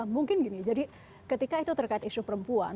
mungkin gini jadi ketika itu terkait isu perempuan